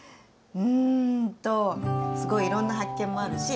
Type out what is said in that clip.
うんとすごいいろんな発見もあるし